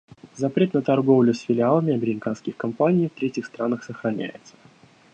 Запрет на торговлю с филиалами американских компаний в третьих странах сохраняется.